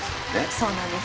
そうなんです。